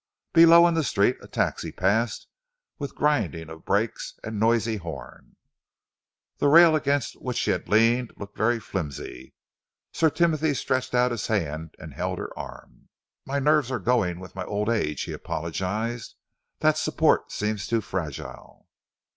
Below, in the street, a taxi passed with grinding of brakes and noisy horn. The rail against which she leaned looked very flimsy. Sir Timothy stretched out his hand and held her arm. "My nerves are going with my old age," he apologised. "That support seems too fragile."